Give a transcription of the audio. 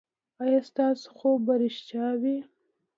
ایا ستاسو خوب به ریښتیا وي؟